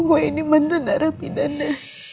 wah ini mantan darah pidana